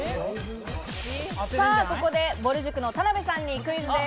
さぁ、ここで、ぼる塾の田辺さんにクイズです。